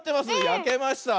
やけました。